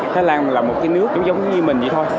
thái lan là một cái nước giống như mình vậy thôi